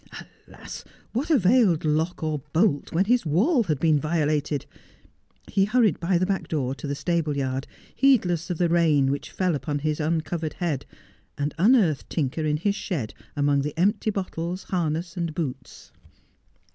Alas ! what availed lock or bolt when his wall had been violated ? He hurried by the back door to the stable yard, heedless of the rain which feil upon his uncovered head, and unearthed Tinker in his shed among the empty bottles, harness, and boots.